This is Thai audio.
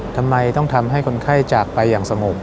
ทำไมต้องทำให้คนไข้จากไปอย่างสงบ